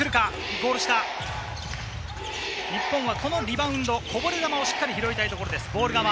日本はこのリバウンド、こぼれ球をしっかりと拾いたいところです。